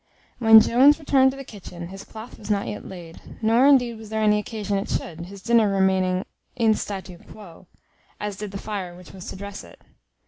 When Jones returned to the kitchen, his cloth was not yet laid; nor indeed was there any occasion it should, his dinner remaining in statu quo, as did the fire which was to dress it.